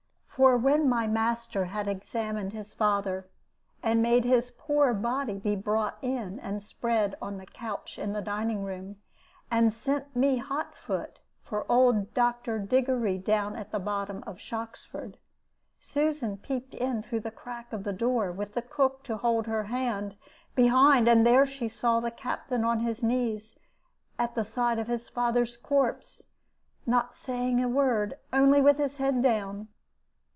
For when my master had examined his father, and made his poor body be brought in and spread on the couch in the dining room, and sent me hot foot for old Dr. Diggory down at the bottom of Shoxford, Susan peeped in through the crack of the door, with the cook to hold her hand behind, and there she saw the Captain on his knees at the side of his father's corpse, not saying a word, only with his head down.